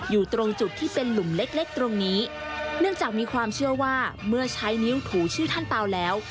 อยู่ตรงจุดที่เป็นหลุมเล็กเล็กตรงนี้เนื่องจากมีความเชื่อว่าเมื่อใช้นิ้วถูชื่อท่านเปล่าแล้ว